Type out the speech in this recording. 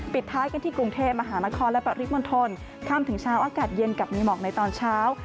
ปิดท้ายกันที่กรุงเทพมหานครและปริมณฑลค่ำถึงเช้าอากาศเย็นกับมีหมอกในตอนเช้า